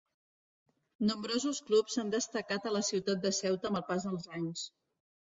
Nombrosos clubs han destacat a la ciutat de Ceuta amb el pas dels anys.